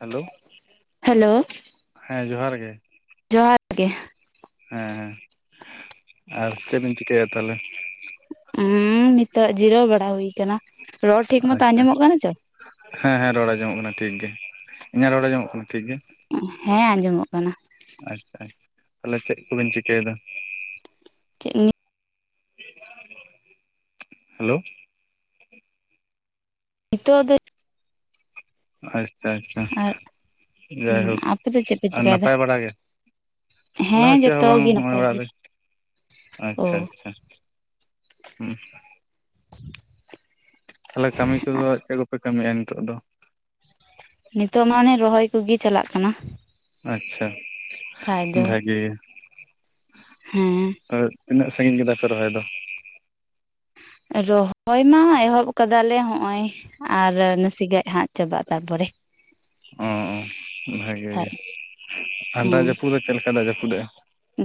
Hello hello ᱦᱮᱸ ᱡᱚᱦᱟᱨ ᱜᱮ ᱡᱚᱦᱟᱨ ᱜᱮ᱾ ᱦᱮᱸ ᱟᱨ ᱪᱮᱫ ᱵᱮᱱ ᱪᱤᱠᱟᱹᱭᱟ ᱛᱟᱦᱚᱞᱮ? ᱩᱸᱻ ᱱᱤᱛᱚᱜ ᱡᱤᱨᱟᱹᱣ ᱵᱟᱲᱟ ᱦᱩᱭᱩ ᱟᱠᱟᱱᱟ ᱨᱚᱲ ᱴᱷᱤᱠ ᱢᱚᱛᱚ ᱟᱪᱪᱷᱟ ᱟᱸᱡᱚᱢᱚᱜ ᱠᱟᱱᱟ ᱪᱚ ᱦᱮᱸ ᱦᱮᱸ ᱨᱚᱲ ᱟᱸᱡᱚᱢᱚᱜ ᱠᱟᱱᱟ ᱴᱷᱤᱠ ᱜᱮ᱾ ᱤᱧᱟᱹᱜ ᱨᱚᱲ ᱟᱸᱚᱢᱚᱜ ᱠᱟᱱᱟ ᱴᱷᱤᱠ ᱜᱮ? ᱦᱮᱸ ᱟᱸᱡᱚᱢᱚᱜ ᱠᱟᱱᱟ᱾ ᱟᱪᱪᱷᱟ ᱟᱪᱪᱷᱟ ᱛᱟᱦᱚᱞᱮ ᱪᱮᱫ ᱠᱚᱵᱤᱱ ᱪᱤᱠᱟᱹᱭᱮᱫᱟ? ᱪᱮᱜ ᱱᱤ ᱦᱮᱞᱳ ᱱᱤᱛᱚᱜ ᱫᱚ ᱟᱪᱪᱷᱟ ᱟᱪᱪᱷᱟ ᱟᱨ ᱡᱟᱭᱦᱳᱠ, ᱟᱯᱮ ᱫᱚ ᱪᱮᱫ ᱯᱮ ᱟᱨ ᱪᱮᱠᱟᱭᱮᱫᱟ ᱱᱟᱯᱟᱭ ᱵᱟᱲᱟ ᱜᱮ? ᱟᱞᱮ ᱦᱮᱸ ᱦᱚᱸ ᱪᱮᱫ ᱦᱚᱸ ᱡᱚᱛᱚ ᱵᱟᱝ ᱜᱮ ᱱᱚᱚᱭ ᱱᱟᱯᱟᱭ ᱚᱲᱟᱜ ᱜᱮ ᱨᱮ ᱚ ᱟᱪᱪᱷᱟ ᱟᱪᱪᱷᱟ [unintelligible] ᱛᱟᱦᱚᱞᱮ ᱠᱟᱹᱢᱤ ᱠᱚᱫᱚ ᱪᱮᱫ ᱠᱚᱯᱮ ᱠᱟᱹᱢᱤᱭᱜᱼᱟ ᱱᱤᱛᱚᱜ ᱫᱚ? ᱱᱤᱛᱚᱜ ᱢᱟ ᱟᱱᱮ ᱨᱚᱦᱚᱭ ᱠᱚᱜᱮ ᱪᱟᱞᱟᱜ ᱠᱟᱱᱟ᱾ ᱟᱪᱪᱷᱟ ᱠᱷᱟᱡ ᱫᱚ ᱵᱷᱟᱹᱜᱮ ᱦᱮᱸ ᱟᱨ- ᱛᱤᱱᱟᱜ ᱥᱟᱺᱜᱤᱧ ᱠᱮᱫᱟᱯᱮ ᱨᱚᱦᱚᱭ ᱫᱚ? ᱨᱚᱦᱚᱭ ᱢᱟ ᱮᱦᱚᱵ ᱟᱠᱟᱫᱟᱞᱮ ᱦᱚᱸᱜ ᱱᱚ-ᱚᱭ ᱟᱨ ᱱᱟᱥᱮ ᱜᱟᱱ ᱦᱟᱜ ᱪᱟᱵᱟᱜᱼᱟ ᱛᱟᱨᱯᱚᱨᱮ ᱚ ᱵᱷᱟᱜᱤ ᱜᱮ ᱠᱷᱟᱡ ᱟᱨ ᱦᱮᱸ ᱫᱟᱜ ᱡᱟᱹᱯᱩᱫ ᱫᱚ ᱪᱮᱫ ᱞᱮᱠᱟ ᱫᱟᱜ ᱡᱟᱹᱯᱩᱫᱟᱜᱼᱟ?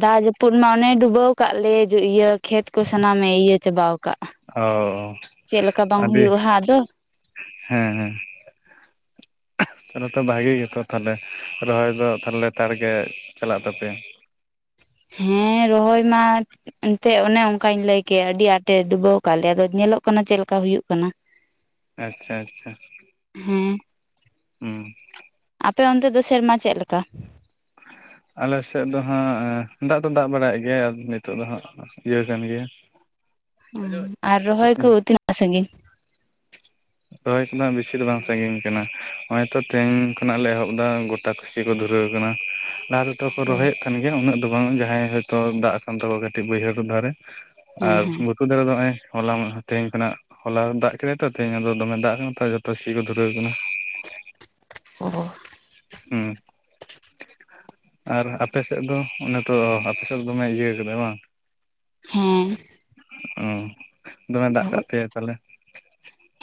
ᱫᱟᱜ ᱡᱟᱹᱯᱩᱫ ᱢᱟ ᱚᱱᱮ ᱰᱩᱵᱟᱹᱣ ᱟᱠᱟᱫ ᱞᱮ ᱤᱭᱟᱹ ᱠᱷᱮᱛ ᱠᱚ ᱥᱟᱱᱟᱢᱮ ᱤᱭᱟᱹ ᱪᱟᱵᱟᱣ ᱟᱠᱟᱫ ᱚ ᱪᱮᱫᱞᱮᱠᱟ ᱵᱟᱝ ᱟᱹᱰᱤ ᱦᱩᱭᱩᱜᱼᱟ ᱦᱟᱸᱜ ᱟᱫᱚ ᱦᱮᱸ ᱦᱮᱸ ᱛᱟᱦᱚᱞᱮ ᱛᱚ ᱵᱷᱟᱜᱤ ᱜᱮᱛᱚ ᱛᱟᱦᱞᱮ ᱨᱚᱦᱚᱭ ᱫᱚ ᱛᱟᱦᱚ ᱞᱮᱛᱟᱲ ᱜᱮ ᱪᱟᱞᱟᱜ ᱛᱟᱯᱮᱭᱟ᱾ ᱦᱮᱸ ᱨᱚᱦᱚᱭ ᱢᱟ ᱮᱱᱛᱮᱫ ᱚᱱᱮ ᱚᱱᱠᱟᱧ ᱞᱟᱹᱭᱠᱮ ᱟᱹᱰᱤᱰᱤ ᱟᱸᱴᱮ ᱰᱩᱵᱟᱹᱣ ᱟᱠᱟᱫ ᱞᱮᱭᱟ ᱟᱫᱚ ᱧᱮᱞᱚᱜ ᱠᱟᱱᱟ ᱪᱮᱫᱠᱟ ᱦᱩᱭᱩᱜ ᱠᱟᱱᱟ᱾ ᱟᱪᱪᱷᱟ ᱟᱪᱪᱷᱟ᱾ ᱦᱮᱸ ᱦᱮᱸ ᱟᱯᱮ ᱚᱱᱛᱮ ᱫᱚ ᱥᱮᱨᱢᱟ ᱪᱮᱫ ᱞᱮᱠᱟ? ᱟᱞᱮᱥᱮᱫ ᱫᱚ ᱦᱟᱸᱜ ᱫᱟᱜ ᱫᱚ ᱫᱟᱜ ᱵᱟᱲᱟᱭ ᱜᱮᱭᱟ ᱟᱨ ᱱᱤᱛᱳ ᱫᱚ ᱦᱟᱸᱜ ᱤᱭᱟᱹ ᱠᱟᱱ ᱜᱮ ᱟᱨ ᱨᱚᱦᱚᱭ ᱠᱩ ᱛᱤᱱᱟᱹᱜ ᱥᱟᱜᱤᱧ? ᱨᱚᱦᱚᱭ ᱠᱷᱚᱱᱟᱜ ᱵᱮᱥᱤ ᱫᱚ ᱵᱟᱝ ᱥᱟᱺᱜᱤᱧ ᱠᱟᱱᱟ ᱱᱚᱜᱼᱚᱭ ᱛᱚ ᱛᱮᱦᱮᱧ ᱠᱷᱚᱱᱟᱜ ᱞᱮ ᱮᱦᱚᱵ ᱮᱫᱟ ᱜᱚᱴᱟ ᱥᱤ ᱠᱚ ᱫᱷᱩᱨᱟᱹᱣ ᱠᱟᱱᱟ ᱞᱟᱦᱟ ᱫᱚ ᱡᱚᱛᱚ ᱠᱚ ᱚ ᱨᱚᱦᱚᱭᱮᱫ ᱠᱟᱱ ᱜᱮᱭᱟ ᱩᱱᱟᱹᱜ ᱫᱚ ᱵᱟᱝ ᱡᱟᱦᱟᱸᱭ ᱦᱳᱭᱛᱳ ᱫᱟᱜ ᱠᱟᱱ ᱛᱟᱠᱚᱣᱟ ᱠᱟᱹᱴᱤᱡ ᱵᱟᱹᱭᱦᱟᱹᱲᱰᱷᱟᱨᱮ ᱦᱮᱸ ᱟᱨ ᱦᱮᱸ ᱜᱩᱴ ᱫᱟᱨᱮ ᱫᱚ ᱱᱚᱜᱚᱭ ᱦᱚᱞᱟᱢ ᱛᱮᱧ ᱠᱷᱟᱱᱟᱜ ᱦᱚᱞᱟ ᱫᱟᱜ ᱠᱮᱫᱟᱭ ᱛᱚ- -ᱛᱮᱧ ᱫᱚᱢᱮ ᱫᱟᱜ ᱠᱟᱱᱟᱛᱚ ᱡᱚᱛᱚ ᱥᱤ ᱠᱚ ᱫᱷᱩᱨᱟᱹᱣ ᱟᱠᱟᱱᱟ᱾ ᱚ [unintelligible] ᱦᱩᱸ ᱟᱨ ᱟᱯᱮ ᱥᱮᱫ ᱫᱚ ᱚᱱᱟ- -ᱛᱚ ᱟᱯᱮᱥᱮᱫ ᱫᱚᱢᱮ ᱤᱭᱟᱹ ᱠᱟᱫᱟ ᱵᱟᱝ ᱦᱮᱸ ᱚ ᱫᱚᱢᱮ ᱫᱟᱜ ᱠᱟᱜ ᱯᱮᱟᱭ ᱛᱟᱦᱞᱮ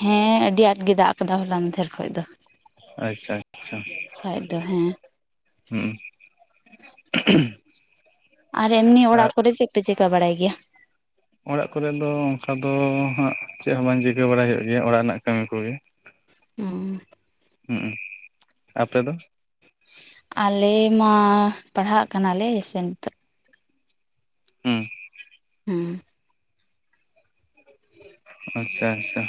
ᱦᱮᱸ ᱟᱹᱰᱤ ᱟᱸᱴ ᱜᱮ ᱫᱟᱜ ᱟᱠᱟᱫᱟ ᱦᱚᱞᱟ ᱢᱟᱫᱷᱮᱨ ᱠᱷᱚᱡ ᱫᱚ ᱟᱪᱪᱷᱟ ᱟᱪᱪᱷᱟ ᱟᱡ ᱫᱚ ᱦᱮᱸ ᱦᱩᱸ [inaudible] ᱟᱨ ᱮᱢᱱᱤ ᱟᱨ ᱚᱲᱟᱜ ᱠᱚᱨᱮ ᱪᱮᱫ ᱯᱮ ᱪᱮᱠᱟᱹ ᱵᱟᱲᱟᱭ ᱜᱮᱭᱟ ᱚᱲᱟᱜ ᱠᱚᱨᱮᱫ ᱫᱚ ᱚᱱᱠᱟ ᱫᱚ ᱦᱟᱸᱜ ᱪᱮᱫ ᱦᱚᱸ ᱵᱟᱝ ᱪᱤᱠᱟᱹ ᱵᱟᱲᱟᱭ ᱦᱩᱭᱩᱜ ᱜᱮᱭᱟ ᱚᱲᱟᱜ ᱨᱮᱱᱟᱜ ᱠᱟᱹᱢᱤ ᱠᱚᱜᱮ ᱦᱩᱸ ᱟᱯᱮ ᱫᱚ ᱟᱞᱮ ᱢᱟ ᱯᱟᱲᱦᱟᱜ ᱠᱟᱱᱟᱞᱮ ᱥᱮ ᱱᱤᱛᱚᱜ ᱦᱩᱸ ᱦᱮᱸ ᱟᱪᱪᱷᱟ ᱟᱪᱪᱷᱟ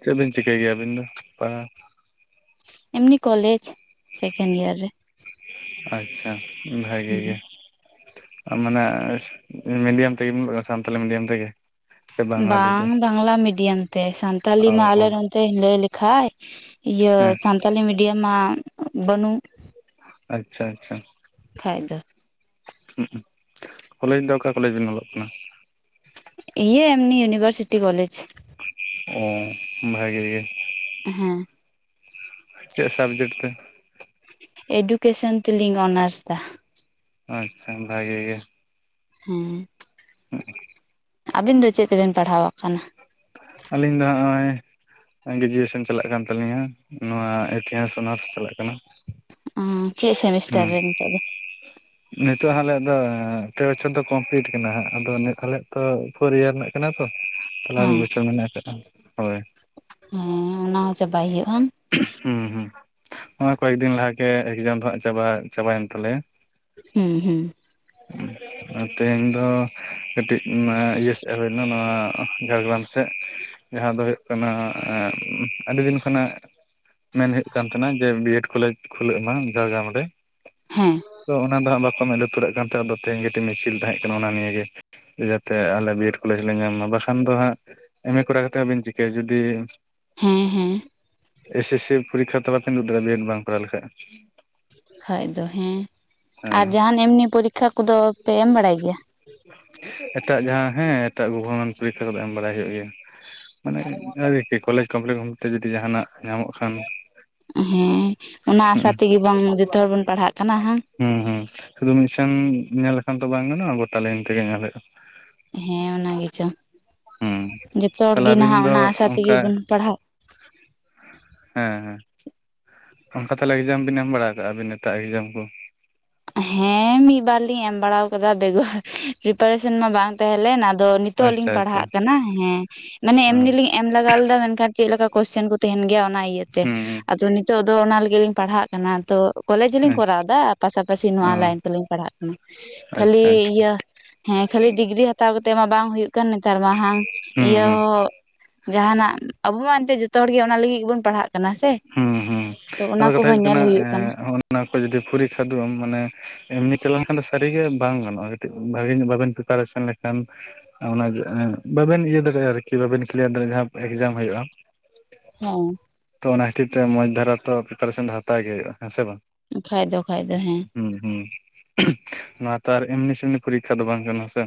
ᱪᱮᱫ ᱵᱤᱱ ᱪᱤᱠᱟᱹᱭ ᱜᱮᱭᱟ ᱟᱹᱵᱤᱱ ᱫᱚ ᱯᱟᱲᱦᱟᱣ- ᱮᱢᱱᱤ ᱠᱚᱞᱡ ᱥᱮᱠᱮᱱ ᱰᱤᱭᱟᱨ ᱨᱮ ᱟᱪᱪᱷᱟ ᱵᱷᱟᱜᱤ ᱦᱮᱸ ᱜᱮ ᱢᱟᱱᱮ ᱢᱤᱰᱤᱭᱟᱢ ᱛᱮᱜᱮ ᱥᱟᱱᱛᱟᱞᱤ ᱢᱤᱰᱤᱭᱟᱢ ᱛᱮᱜᱮ ᱥᱮ ᱵᱟᱝᱟᱞᱤ ᱵᱟᱝ ᱛᱮ ᱵᱟᱝᱞᱟ ᱢᱤᱰᱤᱭᱟᱢ ᱛᱮ ᱥᱟᱱᱛᱟᱞᱤ ᱢᱟ ᱚ ᱚ ᱟᱞᱮ ᱚᱱᱛᱮ ᱞᱟᱹᱭ ᱞᱮᱠᱷᱟᱡ- -ᱤᱭᱟᱹ ᱦᱮᱸ ᱥᱟᱱᱛᱟᱞᱤ ᱢᱤᱰᱤᱭᱟᱢ ᱢᱟ ᱵᱟᱹᱱᱩ ᱟᱪᱪᱷᱟ ᱟᱪᱪᱷᱟ ᱠᱷᱟᱭᱫᱚ [inaudible] ᱠᱚᱞᱮᱡᱽ ᱫᱚ ᱚᱠᱟ ᱠᱚᱞᱮᱡ ᱵᱮᱱ ᱚᱞᱚᱜ ᱠᱟᱱᱟ ᱤᱭᱟᱹ ᱮᱢᱱᱤ [unintelligible] ᱩᱱᱤᱵᱚᱨᱥᱤᱴᱤ ᱠᱚᱞᱡᱽ ᱚ ᱵᱷᱟᱜᱤ ᱜᱮ [unintelligible] ᱦᱮᱸ ᱪᱮᱫ ᱥᱟᱵᱡᱮᱠᱴ ᱛᱮ ᱮᱰᱩᱠᱮᱥᱚᱱ ᱛᱮᱞᱤᱧ ᱚᱱᱟᱨᱥ ᱮᱫᱟ ᱟᱪᱪᱷᱟ ᱵᱷᱟᱜᱤ ᱜᱮ ᱦᱮᱸ ᱟᱹᱵᱤᱱ ᱫᱚ ᱪᱮᱫ ᱛᱮᱵᱮᱱ ᱯᱟᱲᱦᱟᱣ ᱟᱠᱟᱱᱟ ᱟᱹᱞᱤᱧ ᱫᱚ ᱦᱚᱸᱜᱼᱚᱭ- -ᱜᱨᱮᱡᱩᱭᱮᱥᱚᱱ ᱪᱟᱞᱟᱜ ᱠᱟᱱ ᱛᱟᱹᱟᱞᱤᱧᱟ ᱱᱚᱣᱟ ᱤᱛᱤᱦᱟᱥ ᱚᱱᱟᱨᱥ ᱪᱟᱞᱟᱜ ᱠᱟᱱᱟ᱾ ᱦ ᱪᱮᱥᱮᱚᱢᱤᱥᱴᱟᱨ ᱦᱩᱸ ᱨᱮ ᱱᱤᱛᱚᱜ ᱫᱚ ᱱᱤᱛᱚᱜ ᱟᱞᱮ ᱫᱚ ᱯᱮ ᱵᱚᱪᱷᱚᱨ ᱫᱚ ᱠᱚᱢᱯᱤᱞᱤᱴ ᱠᱟᱱᱟ ᱟᱫᱚ ᱱᱤᱛ ᱦᱞᱮ ᱛᱚ ᱯᱷᱳᱨ ᱤᱭᱟᱨ ᱨᱮᱱᱟᱜ ᱠᱟᱱᱟ ᱛᱚ- - [unintelligible] ᱛᱟᱦᱚᱞᱮ ᱟᱨ ᱢᱤᱫ ᱦᱮᱸ ᱵᱚᱪᱷᱚᱨ ᱢᱮᱱᱟᱜ ᱟᱠᱟᱫᱼᱟ ᱦᱳᱭ ᱦᱮᱸ ᱚᱱᱟ ᱦᱚᱸ ᱪᱟᱵᱟᱭ ᱦᱩᱭᱩᱜᱼᱟ᱾ ᱦᱩᱸ ᱦᱩᱸ ᱱᱚᱣᱟ ᱠᱚᱭᱮᱠᱫᱤᱱ ᱞᱟᱦᱟᱮ ᱮᱠᱡᱟᱢ ᱫᱚ ᱦᱟᱸᱜ ᱪᱟᱵᱟ ᱪᱟᱵᱟᱭᱮᱱ ᱛᱟᱞᱮᱭᱟ᱾ ᱦᱮᱸ ᱦᱮᱸ ᱦᱮᱸ [unintelligible] [unintelligible] ᱚᱱᱟ ᱛᱮᱦᱮᱧ ᱫᱚ ᱠᱟᱹᱴᱤᱡ ᱤᱭᱟᱹ ᱥᱮᱫ ᱦᱩᱭᱱᱟ ᱱᱚᱣᱟ ᱡᱷᱟᱲᱜᱨᱟᱢ ᱥᱮᱫ- ᱡᱟᱦᱟᱸ ᱫᱚ ᱦᱩᱭᱩᱜ ᱠᱟᱱᱟ ᱟᱹ ᱫᱤᱱ ᱠᱷᱚᱱᱟᱜ- -ᱢᱮᱱ ᱦᱩᱭᱩᱜ ᱠᱟᱱ ᱛᱟᱦᱮᱱᱟ ᱡᱮ ᱵᱤᱭᱮᱰ ᱠᱚᱞᱮᱡᱽ ᱠᱷᱩᱞᱟᱹᱜ ᱢᱟ ᱡᱷᱟᱲᱜᱨᱟᱢ ᱨᱮ᱾ ᱦᱮᱸ ᱛᱚ ᱚᱱᱟ ᱫᱚ ᱦᱟᱸᱜ ᱵᱟᱠᱚ ᱢᱮᱫ ᱞᱩᱛᱩᱨᱟᱜ ᱠᱟᱱ ᱛᱟᱦᱮᱸ ᱟᱫᱚ ᱛᱮᱦᱮᱧᱴᱤᱡ ᱢᱤᱪᱷᱤᱞ ᱛᱟᱦᱮᱸ ᱠᱟᱱᱟ ᱚᱱᱟ ᱱᱤᱭᱮ᱾ ᱡᱟᱛᱮ ᱟᱞᱮ ᱵᱤ ᱮᱰ ᱠᱚᱞᱮᱡᱽ ᱞᱮ ᱧᱟᱢ ᱢᱟ ᱵᱟᱠᱷᱟᱱ ᱫᱚ ᱦᱟᱸᱜ ᱮᱢ ᱮ ᱠᱚᱨᱟᱣ ᱠᱟᱛᱮᱫ ᱟᱵᱤᱱ ᱪᱤᱠᱟᱹᱭᱟ ᱡᱩᱫᱤ- ᱦᱮᱸ ᱦᱮᱸ ᱮᱥ ᱮᱥ ᱥᱤ ᱯᱚᱨᱤᱠᱠᱷᱟ ᱛᱟᱞᱟᱛᱮ [unintelligible] ᱫᱟᱲᱮᱭᱟᱜᱼᱟ ᱵᱤᱱ ᱵᱤ ᱮᱰ ᱵᱟᱝ ᱠᱚᱨᱟᱣ ᱞᱮᱠᱷᱟᱡ ᱠᱷᱟᱡ ᱫᱚ ᱦᱮᱸ ᱟᱨ ᱦᱮᱸ ᱡᱟᱦᱟᱱ ᱮᱢᱱᱤ ᱯᱚᱨᱤᱠᱠᱷᱟ ᱠᱚᱫᱚ ᱯᱮ ᱮᱢ ᱵᱟᱲᱟᱭ ᱜᱮᱭᱟ [unintelligible] ᱮᱴᱟᱜ ᱡᱟᱦᱟᱸ ᱦᱮᱸ ᱮᱴᱟᱜ ᱜᱚᱵᱚᱨᱢᱮᱱ ᱯᱚᱨᱤᱠᱠᱷᱟ ᱠᱚᱫᱚ ᱮᱢ ᱵᱟᱲᱟᱭ ᱦᱩᱭᱩᱜ ᱜᱮᱭᱟ ᱢᱟᱱᱮ ᱟᱨᱤ ᱠᱚᱞᱮᱡᱽ ᱠᱚᱢᱯᱞᱤᱴ ᱛᱮ ᱡᱩᱫᱤ ᱡᱟᱦᱟᱱᱟᱜ ᱧᱟᱢᱚᱜ ᱠᱷᱟᱱ ᱦᱮᱸ ᱚᱱᱟ ᱟᱥᱟ ᱦᱩᱸ ᱛᱮᱜᱮ ᱵᱟᱝ ᱡᱚᱛᱚ ᱦᱚᱲ ᱵᱚᱱ ᱯᱟᱲᱦᱟᱜ ᱠᱟᱱᱟ ᱦᱟᱝ ᱦᱩᱸ ᱦᱩᱸ ᱥᱩᱫᱩ ᱢᱤᱫᱥᱮᱱ ᱧᱮᱞ ᱞᱮᱠᱷᱟᱱ ᱫᱚ ᱵᱟᱝ ᱜᱟᱱᱚᱜᱼᱟ ᱜᱚᱴᱟ ᱞᱟᱭᱤᱱ ᱛᱮᱜᱮ ᱧᱮᱞ ᱦᱩᱭᱩᱜᱼᱟ ᱦᱮᱸ ᱚᱱᱟ ᱜᱮᱪᱚ ᱦᱩᱸ ᱡᱚᱛᱚ ᱦᱚᱲ ᱛᱟᱦᱚᱞᱮ ᱜᱮ ᱟᱹᱵᱤᱱ ᱱᱟᱦᱟᱜ ᱫᱚ ᱚᱱᱟ ᱟᱥᱟ ᱛᱮᱜᱮ ᱚᱱᱠᱟ ᱵᱚᱱ ᱯᱟᱲᱦᱟᱜ ᱦᱮᱸ ᱦᱮᱸ ᱚᱱᱠᱟ ᱛᱟᱦᱚᱞᱮ ᱮᱠᱡᱟᱢ ᱵᱤᱱ ᱮᱢ ᱵᱟᱲᱟ ᱠᱟᱜᱼᱟ ᱵᱤᱱ ᱱᱤᱛᱟᱜ ᱮᱠᱡᱟᱢ ᱠᱚ ᱦᱮᱸ ᱢᱤᱫᱤᱵᱟᱨ ᱞᱤᱧ ᱮᱢ ᱵᱟᱲᱟᱟᱣ ᱠᱟᱫᱟ ᱵᱮᱜᱚᱨ ᱯᱨᱤᱯᱟᱨᱮᱥᱚᱱ ᱢᱟ ᱵᱟᱝ ᱛᱟᱦᱮᱸ ᱞᱮᱱ ᱟᱫᱚ ᱱᱤᱛᱚᱜ ᱞᱤᱧ ᱟᱪᱪᱷᱟ ᱟᱪᱪᱷᱟ ᱯᱟᱲᱦᱟᱜ ᱠᱟᱱᱟ ᱦᱮᱸ ᱢᱟᱱᱮ ᱚ ᱮᱢᱱᱤᱞᱤᱧ ᱮᱢ ᱞᱟᱜᱟᱣ ᱞᱮᱫᱟ ᱢᱮᱱᱠᱷᱟᱱ ᱪᱮᱫ ᱞᱮᱠᱟ ᱠᱚᱥᱪᱮᱱ ᱠᱚ ᱛᱟᱦᱮᱱ ᱜᱮᱭᱟ ᱚᱱᱟ ᱤᱭᱟᱹᱛᱮ ᱦᱩᱸ ᱟᱫᱚ ᱚᱱᱟ ᱞᱟᱹᱜᱤᱫ ᱞᱤᱧ ᱯᱟᱲᱦᱟᱜ ᱠᱟᱱᱟ ᱛᱚ ᱠᱚᱞᱡᱽ ᱞᱤᱧ ᱠᱚᱨᱟᱣ ᱮᱫᱟ ᱯᱟᱥᱟᱯ ᱯᱟᱥᱤ ᱱᱚᱣᱟ ᱚ ᱞᱟᱭᱤᱱ ᱛᱮᱞᱤᱧ ᱯᱟᱲᱦᱟᱜ ᱠᱟᱱᱟ ᱠᱷᱟᱹᱞᱤ ᱟᱪᱪᱷᱟ ᱟᱪᱪᱷᱟ ᱤᱭᱟᱹ ᱦᱮᱸ ᱠᱷᱟᱹᱞᱤ ᱰᱤᱜᱽᱨᱤ ᱦᱟᱛᱟᱣ ᱠᱟᱛᱮᱜ ᱢᱟ ᱵᱟᱝ ᱦᱩᱭᱩᱜ ᱠᱟᱱ ᱱᱮᱛᱟᱨ ᱢᱟ ᱦᱟᱝ ᱦᱩᱸ ᱤᱭᱟᱹ ᱦᱩᱸ ᱦᱚᱸ ᱡᱟᱦᱟᱱᱟᱜ ᱟᱵᱚ ᱢᱟ ᱮᱱᱛᱮ ᱡᱚᱛᱚ ᱦᱚᱲ ᱜᱮ ᱚᱱᱟ ᱞᱟᱹᱜᱤᱫ ᱜᱮᱵᱚᱱ ᱯᱟᱲᱦᱟᱜ ᱠᱟᱱᱟ ᱥᱮ ᱦᱩᱸ ᱦᱩᱸ ᱛᱚ ᱚᱱᱟ ᱠᱚᱦᱚᱸ ᱧᱮᱞ ᱦᱩᱭᱩᱜ ᱠᱟᱱᱟ ᱚᱱᱟ ᱠᱚ ᱡᱩᱫᱤ ᱯᱷᱩᱨᱤ ᱠᱷᱟᱫᱚᱢ ᱢᱟᱱᱮ ᱮᱢᱱᱤ ᱪᱟᱞᱟ ᱞᱮᱱᱠᱷᱟᱱ ᱫᱚ ᱥᱟᱹᱨᱤ ᱜᱮ ᱵᱟᱝ ᱜᱟᱱᱚᱜᱼᱟ ᱠᱟᱹᱴᱤᱡ ᱵᱷᱟᱜᱤ ᱧᱚᱜ ᱵᱟᱵᱮᱱ ᱛᱷᱩ [unintelligible] [unintelligible] ᱞᱮᱠᱷᱟᱱ ᱚᱱᱟ ᱵᱟᱵᱮᱱ ᱤᱭᱟᱹ ᱫᱟᱲᱮᱭᱟᱜᱼᱟ ᱟᱨᱠᱤ [unintelligible] ᱵᱟᱵᱮᱱ ᱠᱞᱤᱭᱟᱨ ᱫᱟᱲᱮᱭᱟᱜᱼᱟ ᱡᱟᱦᱟᱸ ᱮᱠᱡᱟᱢ ᱦᱩᱭᱩᱜᱼᱟ ᱦᱮᱸ ᱛᱚ ᱚᱱᱟ ᱠᱷᱟᱹᱛᱤᱨ ᱛᱮ ᱢᱚᱡᱽ ᱫᱷᱟᱨᱟ ᱛᱚ ᱯᱨᱤᱯᱟᱨᱮᱥᱚᱱ ᱫᱚ ᱦᱟᱛᱟᱣ ᱜᱮ ᱦᱩᱭᱩᱜᱼᱟ ᱦᱮᱸ ᱥᱮ ᱵᱟᱝ ᱠᱷᱟ ᱫᱚ ᱠᱷᱟ ᱫᱚ ᱦᱮᱸ ᱦᱩᱸ ᱦᱩᱸ ᱱᱚᱣᱟ ᱛᱚ ᱟᱨ ᱮᱢᱱᱤ ᱥᱮᱢᱱᱤ ᱯᱚᱨᱤᱠᱠᱷᱟ ᱫᱚ ᱵᱟᱝ ᱠᱟᱱᱟ ᱥᱮ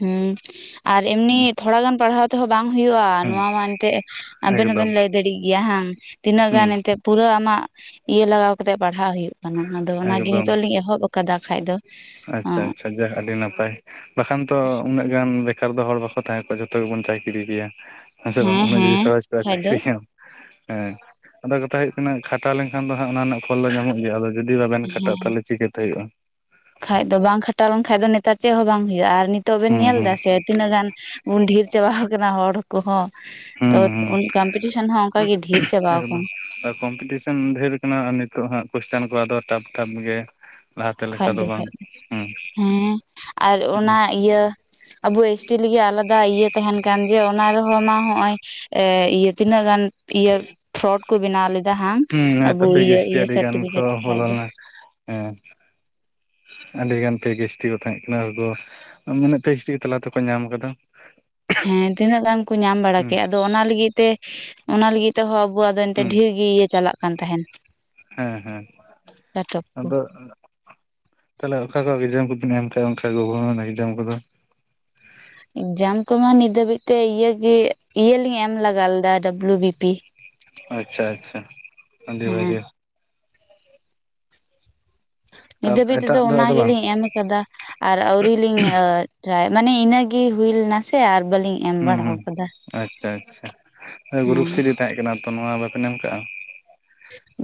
ᱦᱩᱸ ᱟᱨ ᱮᱢᱱᱤ ᱛᱷᱚᱲᱟ ᱜᱟᱱ ᱯᱟᱲᱦᱟᱣ ᱛᱮᱦᱚᱸ ᱵᱟᱝ ᱦᱩᱭᱩᱜᱼᱟ ᱦᱩᱸ ᱱᱚᱣᱟ ᱢᱟ ᱮᱱᱛᱮᱜ ᱟᱵᱮᱱ ᱮᱠᱫᱚᱢ ᱦᱚᱸᱵᱮᱱ ᱞᱟᱹᱭ ᱫᱟᱲᱮᱭᱟᱜ ᱜᱮᱭᱟ ᱦᱟᱝ ᱛᱤᱱᱟᱹᱜ ᱦᱩᱸ ᱜᱟᱱ ᱮᱱᱛᱮ ᱯᱩᱨᱟᱹ ᱟᱢᱟᱜ ᱤᱭᱟᱹ ᱞᱟᱜᱟᱣ ᱠᱟᱛᱮᱜ ᱯᱟᱲᱦᱟᱜ ᱦᱩᱭᱩᱜ ᱠᱟᱱᱟ ᱟᱫᱚ ᱚᱱᱟᱜᱮ ᱮᱠᱫᱚᱢ ᱱᱤᱛᱚᱜ ᱞᱤᱧ ᱮᱦᱚᱵ ᱠᱟᱫᱟ ᱠᱷᱟᱡ ᱫᱚ ᱟᱪᱪᱷᱟ ᱟᱪᱪᱷᱟ ᱡᱟ ᱟᱹᱰᱤ ᱱᱟᱯᱟᱭ᱾ ᱵᱟᱠᱷᱟᱱ ᱛᱚ ᱩᱱᱟᱹᱜ ᱜᱟᱱ ᱵᱮᱠᱟᱨ ᱫᱚ ᱦᱚᱲ ᱵᱟᱠᱚ ᱛᱟᱦᱮᱸ ᱠᱚᱜᱼᱟ ᱡᱷᱚᱛᱚ ᱜᱮᱵᱚᱱ ᱪᱟᱠᱤᱨᱤ ᱠᱮᱭᱟ᱾ ᱦᱮᱸ ᱥᱮ ᱵᱟᱝ ᱩᱱᱟᱹᱜ ᱡᱩᱫᱤ ᱦᱮᱸ ᱥᱚᱦᱚᱡ ᱠᱚ ᱟ ᱠᱷᱟᱡ ᱫᱚ ᱪᱟᱹᱠᱨᱤ ᱠᱮᱭᱟᱢ? ᱦᱮᱸ ᱟᱫᱚ ᱠᱟᱛᱷᱟ ᱦᱩᱭᱩᱜ ᱠᱟᱱᱟ ᱠᱷᱟᱴᱟᱣ ᱞᱮᱱᱠᱷᱟᱱ ᱫᱚ ᱦᱟᱜ ᱚᱱᱟ ᱨᱮᱱᱟᱜ ᱯᱷᱚᱞ ᱫᱚ ᱧᱟᱢᱚᱜ ᱜᱮᱭᱟ, ᱟᱫᱚ ᱡᱩᱫᱤ ᱵᱟᱵᱮᱱ ᱠᱷᱟᱴᱟᱜ ᱛᱟᱦᱚᱞᱮ ᱪᱤᱠᱟᱹᱛᱮ ᱦᱩᱭᱩᱜᱼᱟ᱾ ᱠᱷᱟᱡ ᱫᱚ ᱵᱟᱝ ᱠᱷᱟᱴᱟᱣ ᱞᱮᱱᱠᱟᱱ ᱫᱚ ᱱᱮᱛᱟᱨ ᱪᱮᱫ ᱦᱚᱸ ᱵᱟᱝ ᱦᱩᱭᱩᱜᱼᱟ, ᱟᱨ ᱱᱤᱛᱚᱜ ᱵᱮᱱ ᱦᱩᱸ ᱧᱮᱞ ᱫᱟ ᱦᱩᱸ ᱥᱮ ᱛᱤᱱᱟᱹᱜ ᱜᱟᱱ ᱵᱩᱱ ᱰᱷᱮᱨ ᱪᱟᱵᱟ ᱠᱟᱱᱟ ᱦᱚᱲ ᱠᱚᱦᱚᱸ ᱛᱚ ᱦᱩᱸ ᱟᱱ ᱦᱩᱸ ᱠᱚᱢᱯᱤᱴᱤᱥᱚᱱ ᱦᱚᱸ ᱚᱱᱠᱟᱜ ᱜᱮ ᱰᱷᱤᱨ ᱪᱟᱵᱟᱣ ᱠᱟᱱᱟ᱾ ᱦᱳᱭ ᱠᱚᱢᱯᱤᱴᱤᱥ ᱚᱱ ᱫᱷᱮᱨ ᱠᱟᱱᱟ ᱟᱨ ᱱᱤᱛᱚᱜ ᱦᱟᱸᱜ ᱠᱚᱥᱪᱟᱱ ᱠᱚ ᱟᱫᱚ ᱴᱟᱯ ᱴᱟᱯ ᱜᱮ᱾ ᱞᱟᱦᱟᱛᱮ ᱠᱷᱟᱡ ᱞᱮᱠᱟ ᱫᱚ ᱵᱟᱝ ᱠᱷᱟᱡ ᱫᱚ ᱦᱩᱸ ᱦᱮᱸ ᱟᱨ ᱚᱱᱟ ᱤᱭᱟᱹ ᱟᱵᱚ ᱮᱥ ᱴᱤ ᱞᱟᱹᱜᱤᱫ ᱟᱞᱟᱫᱟ ᱤᱭᱟᱹ ᱛᱟᱦᱮᱱ ᱠᱟᱱ ᱡᱮ ᱚᱱᱟ ᱨᱮᱦᱚᱸ ᱢᱟ ᱱᱚᱜᱚᱭ ᱮᱸ ᱤᱭᱟᱹ ᱛᱤᱱᱟᱹᱜ ᱜᱟᱱ ᱤᱭᱟᱹ ᱯᱷᱨᱚᱰ ᱠᱚ ᱵᱮᱱᱟᱣ ᱞᱮᱫᱟ ᱦᱟᱝ ᱦᱩᱸ ᱦᱮᱸ ᱟᱵᱚ ᱛᱚ ᱯᱮ ᱤᱭᱟᱹ ᱜᱮᱥᱴᱤ ᱤᱭᱟᱹ ᱟᱹᱰᱤ ᱜᱟᱱ ᱠᱚ ᱥᱟᱨᱴᱤᱯᱷᱤᱠᱮᱴ ᱠᱷᱟᱡ ᱵᱚᱞᱚ ᱫᱚ᱾ ᱞᱮᱱᱟ ᱦᱮᱸ᱾ ᱟᱹᱰᱤ ᱜᱟᱱ ᱛᱮ ᱯᱷᱮᱠ ᱮᱥ ᱴᱤ ᱠᱚ ᱛᱟᱦᱮᱸᱜ ᱠᱟᱱᱟ ᱟᱫᱚ, ᱢᱟᱱᱮ ᱯᱷᱮᱠ ᱮᱥ ᱴᱤ ᱛᱟᱞᱟ ᱛᱮᱠᱚ ᱧᱟᱢ ᱠᱟᱫᱟ᱾ ᱦᱮᱸ ᱛᱤᱱᱟᱹᱜ ᱜᱟᱱ ᱠᱚ ᱧᱟᱢ ᱵᱟᱲᱟ ᱦᱩᱸ ᱠᱮᱜ ᱟᱫᱚ ᱚᱱᱟ ᱞᱟᱹᱜᱤᱫ ᱛᱮ ᱚᱱᱟ ᱞᱟᱹᱜᱤᱫ ᱛᱮᱦᱚᱸ ᱟᱵᱚᱣᱟᱜ ᱫᱚ ᱮᱱᱛᱮ ᱦᱩᱸ ᱰᱷᱤᱞ ᱜᱮ ᱤᱭᱟᱹ ᱪᱟᱞᱟᱜ ᱠᱟᱱ ᱛᱟᱸᱦᱮᱱ᱾ ᱦᱮᱸ ᱦᱮᱸ ᱠᱚ ᱟᱫᱚ ᱛᱟᱦᱚᱞᱮ ᱚᱠᱟ ᱠᱚ ᱮᱠᱡᱟᱢ ᱠᱚᱵᱤᱱ ᱮᱢ ᱠᱮᱫᱟ ᱚᱱᱠᱟ ᱜᱚᱵᱷᱚᱨᱢᱮᱱ ᱮᱠᱡᱟᱢ ᱠᱚᱫᱚ, ᱮᱠᱡᱟᱢ ᱠᱚᱢᱟ ᱱᱤᱛ ᱫᱷᱟᱹᱵᱤᱡ ᱛᱮ ᱤᱭᱟᱹ ᱜᱤ ᱤᱭᱟᱹ ᱞᱤᱧ ᱮᱢ ᱞᱟᱜᱟ ᱞᱮᱫᱟ ᱰᱟᱵᱞᱩ ᱵᱤᱯᱤ᱾ ᱟᱪᱪᱷᱟ ᱟᱪᱪᱷᱟ ᱟᱹᱰᱤ ᱦᱮᱸ ᱵᱷᱟᱹᱜᱮ᱾ ᱱᱤᱛ ᱛᱟᱯ ᱫᱷᱟᱹᱵᱤᱡ ᱛᱮᱫᱚ ᱮᱴᱟᱜ ᱫᱚ ᱚᱱᱟ ᱟᱫᱚ ᱵᱟᱝ ᱜᱮᱞᱤᱧ ᱮᱢ ᱠᱟᱫᱟ᱾ ᱟᱨ ᱟᱣᱨᱤᱞᱤᱧ ᱟᱹ ᱴᱨᱟᱭ ᱢᱟᱱᱮ ᱤᱱᱟᱹᱜᱤ ᱦᱩᱭᱞᱱᱟ ᱥᱮ ᱟᱨ ᱵᱟᱹᱞᱤᱝ ᱦᱩᱸ ᱟᱪᱪᱷᱟ ᱟᱪᱪᱷᱟ ᱜᱩᱨᱩᱯ ᱦᱮᱸ ᱥᱤᱰᱤ ᱛᱟᱦᱮᱸ ᱠᱟᱱᱟ ᱛᱚ ᱱᱚᱣᱟ ᱵᱟᱵᱮᱱ ᱮᱢ ᱠᱟᱜᱼᱟ?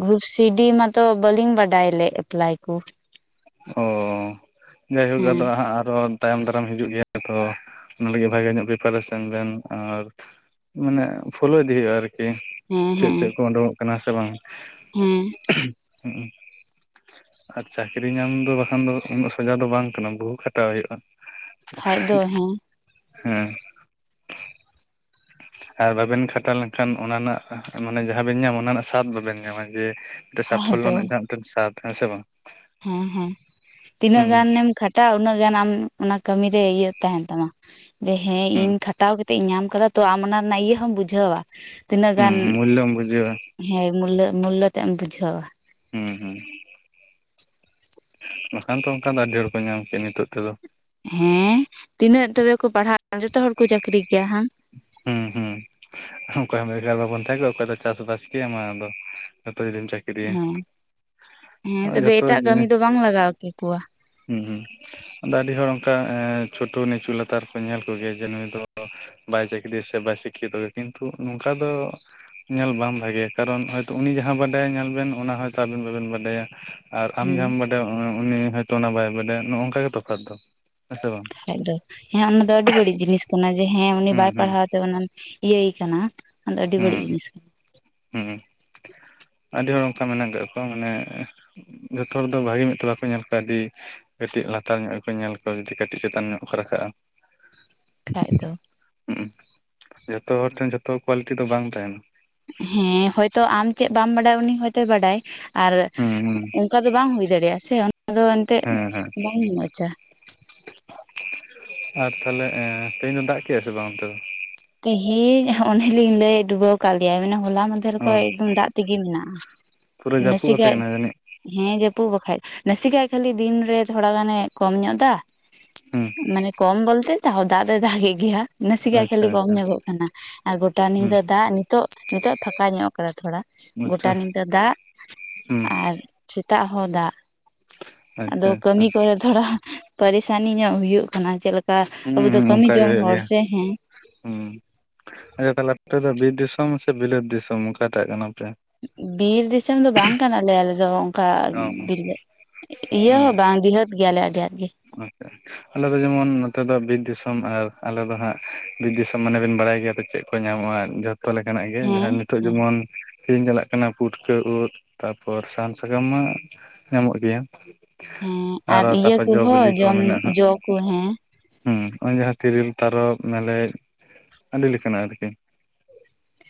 ᱜᱨᱩᱯ ᱥᱤᱰᱤ ᱢᱟᱛᱚ ᱵᱟᱹᱞᱤᱝ ᱵᱟᱰᱟᱭ ᱞᱮᱫ ᱮᱯᱞᱟᱭ ᱠᱩ᱾ ᱚ ᱡᱟᱭᱦᱳᱠ ᱦᱮᱸ ᱟᱫᱚ ᱦᱟᱸᱜ ᱟᱨᱚ ᱛᱟᱭᱚᱢ ᱫᱟᱨᱟᱢ ᱦᱤᱡᱩᱜ ᱜᱮᱭᱟ ᱛᱚ ᱚᱱᱟ ᱞᱟᱹᱜᱤᱫ ᱵᱷᱟᱜᱮ ᱧᱚᱜ ᱯᱨᱤᱯᱟᱨᱮᱥᱮᱱ ᱵᱮᱱ, ᱟᱨ ᱢᱟᱱᱮ ᱯᱷᱳᱞᱳ ᱤᱫᱤ ᱦᱳᱭᱳᱜᱼᱟ ᱟᱨᱠᱤ ᱦᱮᱸ ᱪᱮᱫ ᱦᱮᱸ ᱪᱮᱫ ᱠᱚ ᱳᱰᱳᱠᱚᱜ ᱠᱟᱱᱟ ᱥᱮ ᱵᱟᱝ᱾ ᱦᱮᱸ᱾ ᱦᱩᱸ ᱩᱸ ᱟᱪᱪᱷᱟ᱾ ᱪᱟᱠᱨᱤᱧ ᱧᱟᱢ ᱫᱚ ᱵᱟᱠᱷᱟᱱ ᱫᱚ ᱩᱱᱟᱹᱜ ᱥᱚᱡᱟ ᱫᱚ ᱵᱟᱝ ᱠᱟᱱᱟ ᱵᱩᱦᱩ ᱠᱷᱟᱴᱟᱣ ᱦᱳᱭᱳᱜᱼᱟ᱾ ᱯᱷᱟᱡ ᱫᱚ ᱦᱮᱸ ᱦᱮᱸ᱾ ᱟᱨ ᱵᱟᱵᱮᱱ ᱠᱷᱟᱴᱟᱣ ᱞᱮᱱᱠᱷᱟᱱ ᱚᱱᱟ ᱨᱮᱱᱟᱜ ᱢᱟᱱᱮ ᱡᱟᱦᱟᱸ ᱵᱮᱱ ᱧᱟᱢ ᱚᱱᱟ ᱨᱮᱱᱟᱜ ᱥᱟᱫ ᱵᱟᱵᱮᱱ ᱧᱟᱢᱟ, ᱡᱮ ᱴᱟ ᱠᱷᱟᱡ ᱥᱟᱯᱷᱚᱞᱞᱚ ᱫᱚ ᱨᱮᱱᱟᱜ ᱡᱟᱦᱟᱸ ᱢᱤᱫᱴᱮᱱ ᱥᱟᱫ ᱦᱮᱸ ᱥᱮ ᱵᱟᱝ? ᱦᱮᱸ ᱦᱮᱸ ᱛᱤᱱᱟᱹᱜ ᱦᱩᱸ ᱜᱟᱱᱮᱢ ᱠᱷᱟᱴᱟᱜᱼᱟ ᱩᱱᱟᱹᱜ ᱜᱟᱱ ᱟᱢ ᱚᱱᱟ ᱠᱟᱹᱢᱤ ᱨᱮ ᱤᱭᱟᱹ ᱛᱟᱸᱦᱮᱱ ᱛᱟᱢᱟ᱾ ᱡᱮ ᱦᱮᱸ ᱦᱩᱸ ᱤᱧ ᱠᱷᱟᱴᱟᱣ ᱠᱟᱛᱮᱜ ᱤᱧ ᱧᱟᱢ ᱠᱟᱫᱟ ᱛᱚ, ᱟᱢ ᱚᱱᱟ ᱨᱮᱱᱟᱜ ᱤᱭᱟᱹ ᱦᱚᱢ ᱵᱩᱡᱷᱟᱹᱣᱟ᱾ ᱛᱤᱱᱟᱹᱜ ᱦᱩᱸ ᱜᱟᱱ ᱢᱩᱞᱞᱚᱢ ᱵᱩᱡᱷᱟᱹᱣᱟ ᱦᱮᱸ ᱢᱩᱞᱞᱳ ᱢᱩᱞᱞᱚ ᱛᱮᱢ ᱵᱩᱡᱷᱟᱹᱣᱟ᱾ ᱦᱩᱸ ᱦᱩᱸ᱾ ᱵᱟᱠᱷᱟᱱ ᱛᱚ ᱚᱝᱠᱟ ᱫᱚ ᱟᱹᱰᱤ ᱦᱚᱲ ᱠᱚ ᱧᱟᱢ ᱠᱮ ᱱᱤᱛᱚᱜ ᱛᱮᱫᱚ᱾ ᱦᱮᱸ ᱛᱤᱱᱟᱹᱜ ᱛᱚᱵᱮ ᱠᱚ ᱯᱟᱲᱦᱟᱜᱼᱟ ᱡᱷᱚᱛᱚ ᱦᱚᱲ ᱠᱚ ᱪᱟᱹᱠᱨᱤ ᱠᱮᱭᱟ ᱦᱟᱝ᱾ ᱦᱩᱸ ᱦᱩᱸ᱾ ᱚᱠᱚᱭ ᱦᱚᱸ ᱵᱷᱮᱜᱟᱨ ᱵᱟᱵᱚᱱ ᱛᱟᱦᱮᱸ ᱠᱚᱜ ᱚᱠᱚᱭ ᱫᱚ ᱪᱟᱥ ᱵᱟᱥ ᱠᱮᱭᱟ ᱢᱟ ᱟᱫᱚ ᱡᱚᱛᱚ ᱡᱩᱫᱤᱢ ᱪᱟᱹᱠ ᱦᱮᱸ ᱦᱮᱸ ᱛᱚᱵᱮ ᱡᱚᱛᱚ ᱮᱴᱟᱜ ᱠᱟᱹᱢᱤ ᱡᱤᱱᱤᱥ ᱫᱚ ᱵᱟᱝ ᱞᱟᱜᱟᱣ ᱠᱮᱠᱚᱣᱟ᱾ ᱦᱩᱸ ᱟᱫᱚ ᱟᱹᱰᱤ ᱦᱚᱲ ᱚᱝᱠᱟ ᱮᱸ ᱪᱷᱳᱴᱳ ᱱᱤᱪᱩ ᱞᱟᱛᱟᱨ ᱠᱚ ᱧᱮᱞ ᱠᱚᱜᱮᱭᱟ ᱡᱮ ᱱᱩᱭ ᱫᱚ ᱵᱟᱭ ᱪᱟᱹᱠᱨᱤᱭᱟ ᱥᱮ ᱵᱟᱭ ᱥᱤᱠᱠᱷᱤᱛᱚ ᱜᱮ ᱠᱤᱱᱛᱩ ᱱᱚᱝᱠᱟ ᱫᱚ ᱧᱮᱞ ᱵᱟᱝ ᱵᱷᱟᱜᱮᱭᱟ ᱠᱟᱨᱚᱱ ᱦᱚ ᱛᱚ ᱩᱱᱤ ᱡᱟᱦᱟᱸ ᱵᱟᱰᱟᱭ ᱧᱮᱞ ᱵᱮᱱ ᱚᱱᱟ ᱦᱚᱭᱛᱚ ᱟᱵᱤᱱ ᱵᱟᱵᱮᱱ ᱵᱟᱰᱟᱭᱟ ᱾ ᱟᱨ ᱟᱢ ᱦᱮᱸ ᱡᱟᱦᱟᱢ ᱵᱟᱰᱟᱭ ᱩᱱᱤ ᱦᱚᱭᱛᱚ ᱚᱱᱟ ᱵᱟᱭ ᱵᱟᱰᱟᱭᱟ ᱱᱚᱝᱠᱟ ᱜᱮ ᱛᱚᱯᱷᱟᱛ ᱫᱚ ᱦᱮᱸ ᱥᱮ ᱵᱟᱝ [unintelligible] ᱫᱚ ᱦᱮᱸ ᱚᱱᱟ ᱫᱚ ᱟᱹᱰᱤ ᱵᱟᱹᱲᱤᱡ ᱡᱤᱱᱤᱥ ᱠᱟᱱᱟ ᱡᱮ ᱦᱮᱸ ᱩᱱᱤ ᱦᱩᱸ ᱵᱟᱭ ᱦᱩᱸ ᱯᱟᱲᱦᱟᱣ ᱛᱮ ᱚᱱᱟ ᱤᱭᱟᱹᱭ ᱠᱟᱱᱟᱹ ᱦᱩᱸ ᱦᱩᱸ ᱟᱹᱰᱤ ᱦᱚᱲ ᱚᱝᱠᱟ ᱢᱮᱱᱟᱜ ᱠᱟᱜ ᱠᱚᱣᱟ ᱢᱟᱱᱮ ᱡᱷᱚᱛᱚ ᱦᱚᱲ ᱫᱚ ᱵᱷᱟᱜᱮ ᱢᱤᱫ ᱛᱮ ᱵᱟᱠᱚ ᱧᱮᱞ ᱠᱚᱣᱟ ᱟᱹᱰᱤ ᱠᱟᱹᱴᱤᱜ ᱞᱟᱛᱟᱨ ᱧᱚᱜ ᱜᱮ ᱠᱚ ᱧᱮᱞ ᱠᱚᱣᱟ ᱡᱤ ᱠᱟᱹᱴᱤᱜ ᱪᱮᱛᱟᱱ ᱧᱚᱜ ᱠᱚ ᱨᱟᱠᱟᱵᱼᱟ ᱠᱷᱟᱡ ᱫᱚ ᱦᱩᱜ ᱩ ᱡᱷᱚᱛᱚ ᱦᱚᱲ ᱴᱷᱮᱱ ᱡᱷᱚᱛᱚ ᱠᱚᱣᱟᱞᱤᱴᱤ ᱫᱚ ᱵᱟᱝ ᱛᱟᱦᱮᱱᱟ ᱦᱮᱸ ᱦᱚᱭᱛᱚ ᱟᱢ ᱪᱮᱜ ᱵᱟᱢ ᱵᱟᱰᱟᱭᱟ ᱩᱱᱤ ᱦᱚᱭᱛᱚᱭ ᱵᱟᱰᱟᱭ ᱟᱨ ᱩ ᱦᱩᱸ ᱦᱩᱸ ᱚᱝᱠᱟ ᱫᱚ ᱵᱟᱝ ᱦᱳᱭ ᱫᱟᱲᱮᱭᱟᱜᱼᱟ ᱥᱮ [unintelligible] ᱦᱮᱸ ᱦᱮᱸ ᱵᱟᱝ ᱢᱚᱡᱟ ᱟᱨ ᱛᱟᱦᱞᱮ ᱛᱮᱦᱮᱧ ᱫᱚ ᱫᱟᱜ ᱠᱮᱜᱼᱟ ᱥᱮ ᱵᱟᱝ ᱚᱱᱛᱮ ᱫᱚ? ᱛᱤᱦᱤᱧ ᱚᱱᱮᱞᱤᱧ ᱞᱟᱹᱭ ᱰᱩᱵᱟᱹᱣ ᱠᱟᱜ ᱞᱮᱭᱟᱭ ᱢᱟᱱᱮ ᱦᱚᱞᱟ ᱢᱟᱱ ᱫᱷᱮᱨ ᱚ ᱠᱷᱚᱭ ᱮᱠᱫᱚᱢ ᱫᱟᱜ ᱛᱤᱜᱤ ᱢᱮᱱᱟᱜᱼᱟ ᱯᱩᱨᱟᱹ ᱡᱟᱹᱯᱩᱫ ᱟᱯᱮ ᱱᱟᱥᱮᱠᱟᱡ ᱠᱟᱱᱟ ᱡᱟᱹᱱᱤᱡ ᱦᱮᱸ ᱡᱟᱹᱯᱩᱫ ᱵᱟᱠᱷᱟᱡ ᱱᱟᱥᱮ ᱠᱷᱟᱡ ᱠᱷᱟᱞᱤ ᱫᱤᱱᱨᱮ ᱛᱷᱚᱲᱟ ᱜᱟᱱᱮ ᱠᱚᱢ ᱧᱚᱜ ᱫᱟ ᱦᱩᱸ ᱢᱟᱱᱮ ᱠᱚᱢ ᱵᱚᱞᱛᱮ ᱛᱟᱣᱦᱚ ᱫᱟᱜ ᱫᱚ ᱫᱟᱜᱮᱜ ᱜᱮᱭᱟ ᱱᱟᱥᱮ ᱠᱷᱟᱡ ᱟᱪᱪᱷᱟ ᱠᱷᱟᱹᱞᱤ ᱠᱚᱢ ᱟᱪᱪᱷᱟ ᱧᱚᱜᱚᱜ ᱠᱟᱱᱟ ᱟᱨ ᱜᱚᱴᱟ ᱦᱩᱸ ᱱᱤᱫᱟᱹ ᱫᱟᱜ ᱱᱤᱛᱚᱜ ᱱᱤᱛᱚᱜ ᱯᱷᱟᱸᱠᱟ ᱧᱚᱜ ᱠᱟᱜ-ᱟ ᱛᱷᱚᱲᱟ ᱜᱚᱴᱟ ᱟᱪᱪᱷᱟ ᱱᱤᱠᱟᱹ ᱫᱟᱜ ᱦᱩᱸ ᱟᱨ ᱥᱮᱛᱟᱜ ᱦᱚᱸ ᱫᱟᱜ ᱟᱫᱚ ᱟᱪᱪᱷᱟ ᱟᱪᱪᱷᱟ ᱠᱟᱹᱢᱤ ᱠᱚᱨᱮ ᱛᱷᱚᱲᱟ ᱯᱟᱨᱤᱥᱟᱱᱤ ᱧᱚᱜ ᱦᱩᱭᱩᱜ ᱠᱟᱱᱟ ᱾ ᱪᱮᱫ ᱞᱮᱠᱟ ᱦᱩᱸ ᱟᱵᱩ ᱫᱚ ᱦᱩᱸ ᱠᱟᱹᱢᱤ ᱚᱱᱠᱟ ᱜᱮ ᱡᱚᱝ ᱦᱩᱭᱩᱜ ᱦᱚᱲ ᱜᱮᱭᱟ ᱥᱮ ᱦᱮᱸ ᱾ ᱦᱩᱸ ᱟᱪᱪᱷᱟ ᱛᱟᱦᱚᱞᱮ ᱟᱯᱮ ᱫᱚ ᱵᱤᱨ ᱫᱤᱥᱚᱢ ᱥᱮ ᱵᱤᱞᱟᱹᱛ ᱫᱤᱥᱚᱢ ᱚᱠᱟᱴᱟᱜ ᱠᱟᱱᱟ ᱯᱮ? ᱵᱤᱨ ᱫᱤᱥᱚᱢ ᱫᱚ ᱵᱟᱝ ᱠᱟᱱᱟ ᱞᱮ ᱟᱞᱮ ᱫᱚ ᱾ ᱚᱱᱠᱟ ᱚ ᱵᱤᱞᱟᱹ ᱤᱭᱟᱹ ᱦᱚᱸ ᱵᱟᱝ ᱰᱤᱦᱟᱹᱛ ᱜᱮᱭᱟᱞᱮ ᱟᱹᱰᱤ ᱟᱸᱴ ᱜᱮ ᱾ [unintelligible] ᱟᱪᱪᱷᱟᱼᱪᱷᱟ ᱾ ᱟᱞᱮ ᱫᱚ ᱡᱮᱢᱚᱱ ᱱᱚᱛᱮ ᱫᱚ ᱵᱤᱨ ᱫᱤᱥᱚᱢ ᱟᱨ ᱟᱞᱮ ᱫᱚ ᱦᱟᱸᱜ ᱵᱤᱨ ᱫᱤᱥᱚᱢ ᱢᱟᱱᱮ ᱵᱮᱱ ᱵᱟᱲᱟᱭ ᱜᱮᱭᱟ ᱪᱮᱫ ᱾ ᱠᱚ ᱧᱟᱢᱚᱜᱼᱟ ᱡᱷᱚᱛᱚ ᱞᱮᱠᱟᱱᱟᱜ ᱜᱮ ᱦᱮᱸ ᱡᱟᱦᱟᱸ ᱱᱤᱛᱚᱜ ᱦᱮᱸ ᱡᱮᱢᱚᱱ ᱠᱤᱨᱤᱧ ᱪᱟᱞᱟᱜ ᱠᱟᱱᱟ ᱯᱩᱴᱠᱟᱹ ᱩᱫ ᱛᱟᱨᱯᱚᱨ ᱥᱟᱦᱟᱱ ᱥᱟᱠᱟᱢ ᱢᱟ ᱧᱟᱢᱚᱜ ᱜᱮᱭᱟ ᱾ ᱦᱮᱸ ᱟᱨ ᱤᱭᱟᱹ ᱠᱚᱦᱚᱸ ᱡᱚᱢ ᱢᱮᱱᱟᱜᱼᱟ ᱡᱚ ᱠᱚ ᱦᱮᱸ ᱦᱩᱸ ᱱᱚᱜᱼᱚᱭ ᱡᱟᱦᱟᱸ ᱛᱤᱨᱤᱞ ᱛᱟᱨᱚᱚᱵ ᱢᱮᱞᱮᱡ ᱟᱹᱰᱤ ᱞᱮᱠᱟᱱᱟᱜ ᱟᱨᱠᱤ ᱾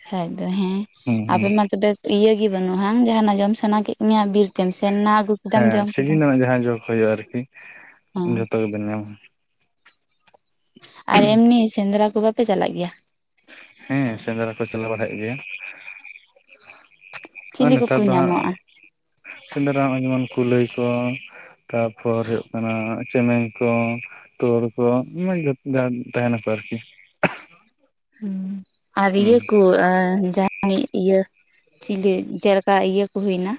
ᱠᱷᱟᱡ ᱫᱚ ᱦᱮᱸ ᱦᱩᱸ ᱦᱩᱸ ᱟᱯᱮ ᱢᱟ ᱛᱚᱵᱮ ᱤᱭᱟᱹ ᱜᱮ ᱵᱟᱹᱱᱩᱜᱼᱟ ᱦᱟᱝ ᱡᱟᱦᱟᱱᱟᱜ ᱡᱚᱢ ᱥᱟᱱᱟ ᱠᱮᱫ ᱢᱮᱭᱟ ᱵᱤᱨᱛᱮᱢ ᱥᱮᱱ ᱱᱟ ᱟᱹᱜᱩ? ᱠᱮᱫᱟᱢ ᱦᱮᱸ ᱡᱚᱢ ᱠᱮᱫᱟᱢ ᱥᱤᱡᱤᱱ ᱨᱮᱱᱟᱜ ᱡᱟᱦᱟᱸ ᱡᱳ ᱦᱳᱭᱳᱜᱼᱟ ᱟᱨᱠᱤ ᱦᱮᱸ ᱡᱷᱚᱛᱚ ᱜᱮᱵᱮᱱ ᱧᱟᱢᱟ ᱟᱨ ᱮᱢᱱᱤ ᱥᱮᱸᱫᱽᱨᱟ ᱠᱚᱫᱚ ᱯᱮ ᱪᱟᱞᱟᱜ ᱜᱮᱭᱟ ᱾? ᱦᱮᱸ ᱾ ᱥᱮᱸᱫᱽᱨᱟ ᱠᱚ ᱪᱟᱞᱟᱣ ᱵᱟᱲᱟᱭᱮᱫ ᱜᱮᱭᱟ ᱾ ᱟᱨ ᱪᱤᱞᱤ ᱱᱮᱛᱟᱨ ᱠᱚᱠᱚ ᱫᱚ ᱦᱟᱸᱜ ᱧᱟᱢᱚᱜᱼᱟ ᱥᱮᱸᱫᱽᱨᱟ ᱦᱚᱸᱜᱚᱭ ᱡᱮᱢᱚᱱ ᱠᱩᱞᱟᱹᱭ ᱠᱚ ᱾ ᱛᱟᱨᱯᱚᱨ ᱦᱩᱭᱩᱜ ᱠᱟᱱᱟ ᱪᱮᱢᱮᱧ ᱠᱚ ᱛᱩᱲ ᱠᱚ ᱫᱚᱢᱮ ᱛᱟᱦᱮᱱᱟ ᱠᱚ ᱟᱨᱠᱤ ᱾ ᱦᱩᱸ ᱟᱨ ᱤᱭᱟᱹ ᱦᱩᱸ ᱠᱚ ᱡᱟᱦᱟᱱᱤᱡ ᱤᱭᱟᱹ ᱪᱤᱞᱤ ᱡᱮ ᱞᱮᱠᱟ? ᱚᱱᱠᱟ ᱤᱭᱟᱹ ᱠᱚ ᱦᱩᱭᱱᱟ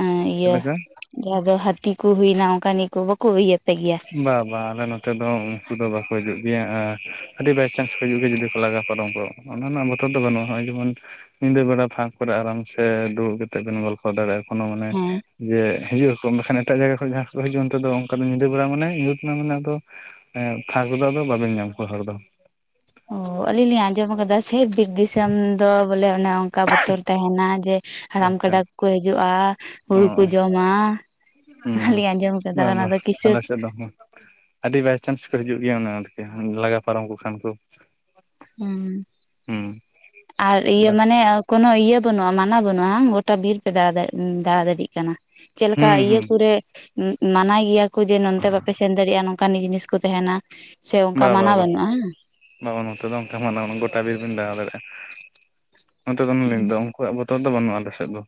ᱮ ᱪᱮᱫ ᱤᱭᱟᱹ ᱞᱮᱠᱟ ᱡᱟᱦᱟᱸ ᱫᱚ ᱦᱟᱹᱛᱤ ᱠᱚ ᱦᱩᱭᱱᱟ ᱚᱱᱠᱟᱱ ᱤᱭᱟᱹ ᱠᱚ ᱵᱟᱠᱚ ᱤᱭᱟᱹ ᱯᱮ ᱜᱮᱭᱟ ᱵᱟ ᱵᱟ ᱟᱞᱮ ᱱᱚᱛᱮ ᱱᱚᱛᱮ ᱫᱚ ᱩᱱᱠᱩ ᱫᱚ ᱵᱟᱠᱚ ᱦᱤᱡᱩᱜ ᱜᱮᱭᱟ ᱟᱨ ᱟᱹᱰᱤ ᱵᱟᱭᱪᱟᱱᱥ ᱦᱤᱡᱩᱜ ᱜᱮᱭᱟ ᱡᱩᱫᱤ ᱠᱚ ᱞᱟᱜᱟ ᱯᱟᱨᱚᱢ ᱠᱚ ᱾ ᱚᱱᱟ ᱨᱮᱱᱟᱜ ᱵᱚᱛᱚᱨ ᱫᱚ ᱵᱟᱹᱱᱩᱜᱼᱟ ᱱᱚᱜᱼᱚᱭ ᱡᱮᱢᱚᱱ ᱧᱤᱫᱟᱹ ᱵᱮᱲᱟ ᱯᱷᱟᱸᱠ ᱠᱚᱨᱮ ᱟᱨᱟᱢ ᱥᱮ ᱫᱩᱲᱩᱵ ᱠᱟᱛᱮ ᱵᱮᱱ ᱜᱚᱞ ᱫᱟᱲᱮᱼᱟ ᱠᱚᱱᱳ ᱢᱟᱱᱮ ᱦᱮᱸ ᱡᱮ ᱦᱤᱡᱩᱜ ᱟᱠᱚ ᱢᱮᱱᱠᱷᱟᱱ ᱮᱴᱟᱜ ᱡᱟᱭᱜᱟ ᱠᱷᱚᱱ ᱡᱟᱦᱟᱸ ᱦᱤᱡᱩᱜ ᱚᱱᱛᱮ ᱫᱚ ᱚᱱᱠᱟ ᱫᱚ ᱧᱤᱫᱟᱹ ᱵᱮᱲᱟ ᱢᱟᱱᱮ ᱧᱩᱛ ᱮᱱᱟ ᱢᱟᱱᱮ ᱟᱫᱚ ᱯᱷᱟᱸᱠ ᱨᱮᱫᱚ ᱟᱫᱚ ᱵᱟᱵᱮᱱ ᱧᱟᱢ ᱠᱚᱣᱟ ᱦᱚᱲ ᱫᱚ ᱾ ᱚ ᱟᱹᱞᱤᱧ ᱞᱤᱧ ᱟᱸᱡᱚᱢ ᱟᱠᱟᱫᱟ ᱥᱮ ᱵᱤᱨ ᱫᱤᱥᱚᱢ ᱫᱚ ᱵᱚᱞᱮ ᱚᱱᱮ ᱚᱱᱠᱟ ᱵᱚᱛᱚᱨ ᱛᱟᱦᱮᱱᱟ ᱡᱮ ᱦᱟᱲᱟᱢ ᱟᱪᱪᱷᱟ ᱠᱟᱰᱟ ᱠᱚᱠᱚ ᱦᱤᱡᱩᱜᱼᱟ ᱚ ᱦᱩᱲᱩ ᱠᱚ ᱡᱚᱢᱟ ᱦᱩᱸ ᱦᱩᱸ ᱚᱱᱟᱞᱤᱧ ᱟᱸᱡᱚᱢ ᱟᱠᱟᱫᱟ ᱵᱟ ᱚᱱᱟ ᱵᱟ ᱫᱚ ᱠᱤᱥᱟᱹ ᱟᱞᱮ ᱥᱮ ᱫᱚ ᱟᱹᱰᱤ ᱵᱟᱭᱪᱟᱱᱥ ᱠᱚ ᱦᱤᱡᱩᱜ ᱜᱮᱭᱟ ᱠᱚ ᱞᱟᱜᱟ ᱯᱟᱨᱚᱢ ᱠᱚ ᱠᱷᱟᱱ ᱠᱚ ᱦᱩᱸ ᱾ ᱦᱩᱸ ᱟᱨ ᱤᱭᱟᱹ ᱢᱟᱱᱮ ᱠᱚᱱᱳ ᱤᱭᱟᱹ ᱵᱟᱹᱱᱩᱜ-ᱟ ᱢᱟᱱᱟ ᱵᱟᱹᱱᱩᱜ-ᱟ ᱵᱟᱝ ᱜᱚᱴᱟ ᱵᱤᱨ ᱯᱮ ᱫᱟ ᱫᱟᱬᱟ ᱫᱟᱲᱮᱭᱟᱜ ᱠᱟᱱᱟ ᱾ ᱪᱮᱫ ᱞᱮᱠᱟ ᱦᱩᱸ ᱤᱭᱟᱹ ᱦᱩᱸ ᱠᱚᱨᱮ ᱢᱟᱱᱟᱣ ᱜᱮᱭᱟ ᱠᱚ ᱡᱮ ᱱᱚᱱᱛᱮ ᱵᱟᱯᱮ ᱥᱮᱱ ᱫᱟᱲᱮᱭᱟᱜ-ᱟ ᱱᱚᱝᱠᱟ ᱚᱱᱠᱟᱱ ᱡᱤᱱᱤᱥ ᱠᱚ ᱛᱟᱦᱮᱱᱟ ᱾ ᱵᱟ ᱵᱟ ᱵᱟ ᱵᱟ ᱵᱟ ᱱᱚᱛᱮ ᱫᱚ ᱚᱱᱠᱟ ᱢᱟᱱᱟ ᱜᱚᱴᱟ ᱵᱤᱨ ᱵᱤᱱ ᱫᱟᱬᱟ ᱫᱟᱲᱮᱭᱟᱜ-ᱟ ᱾ ᱱᱚᱛᱮ ᱫᱚ ᱞᱤᱧ ᱞᱟᱹᱫᱟ ᱩᱱᱠᱩᱣᱟᱜ ᱵᱚᱛᱚᱨ ᱫᱚ ᱵᱟᱹᱱᱩᱜ-ᱟ ᱟᱞᱮ ᱥᱮᱫ ᱫᱚ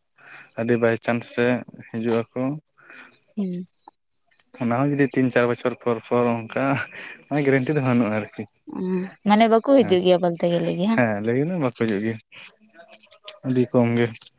ᱟᱹᱰᱤ ᱵᱟᱭᱪᱟᱱᱥ ᱨᱮ ᱦᱤᱡᱩᱜ ᱟᱠᱚ ᱾ ᱦᱩᱸ ᱾ ᱚᱱᱟ ᱦᱚᱸ ᱡᱩᱫᱤ ᱛᱤᱱ ᱪᱟᱨ ᱵᱚᱪᱷᱚᱨ ᱯᱚᱨ ᱯᱚᱨ ᱚᱱᱠᱟ ᱜᱮᱨᱮᱱᱴᱤ ᱫᱚ ᱵᱟᱹᱱᱩᱜ-ᱟ ᱟᱨᱠᱤ ᱾ ᱦᱩᱸ ᱢᱟᱱᱮ ᱵᱟᱠᱚ ᱦᱤᱡᱩᱜ ᱜᱮᱭᱟ ᱵᱚᱞᱛᱮ ᱜᱮᱞᱮ ᱦᱮᱸ ᱾ ᱞᱟᱹᱭ ᱜᱟᱱᱚᱜ-ᱟ ᱵᱟᱠᱚ ᱦᱤᱡᱩᱜ ᱜᱮ ᱟᱹᱰᱤ ᱠᱚᱢ ᱜᱮ ᱾